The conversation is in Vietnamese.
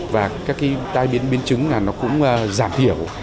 và các cái tai biến chứng nó cũng giảm thiểu